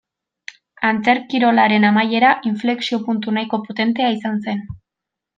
Antzerkiolaren amaiera inflexio-puntu nahiko potentea izan zen.